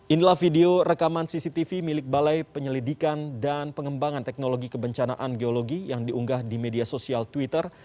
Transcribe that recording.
inilah video rekaman cctv milik balai penyelidikan dan pengembangan teknologi kebencanaan geologi yang diunggah di media sosial twitter